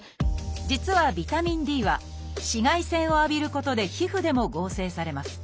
実はビタミンＤは紫外線を浴びることで皮膚でも合成されます。